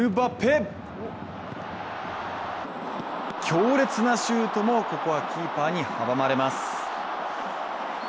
強烈なシュートも、ここはキーパーに阻まれます。